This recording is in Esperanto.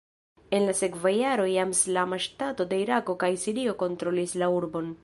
En la sekva jaro jam Islama Ŝtato de Irako kaj Sirio kontrolis la urbon.